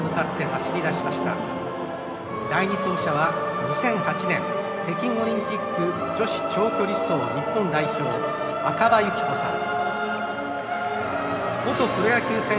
第２走者は２００８年北京オリンピック女子長距離走日本代表、赤羽有紀子さん。